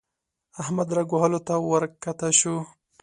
احمد رګ وهلو ته ورکښته شو.